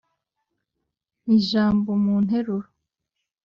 mpa ijambo mu nteruro.